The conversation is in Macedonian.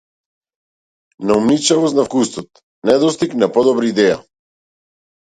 Наумничавост на вкусот, недостиг на подобра идеја?